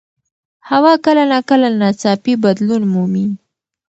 هوا کله ناکله ناڅاپي بدلون مومي